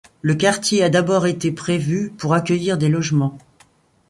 Le quartier a d'abord été prévu pour accueillir des logements.